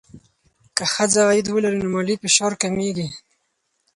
که ښځه عاید ولري، نو مالي فشار کمېږي.